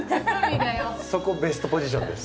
そこベストポジションです。